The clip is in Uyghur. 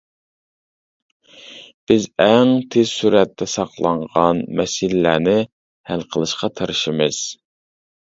بىز ئەڭ تېز سۈرئەتتە ساقلانغان مەسىلىلەرنى ھەل قىلىشقا تىرىشىمىز.